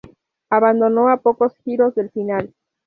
Abandonó a pocos giros del final.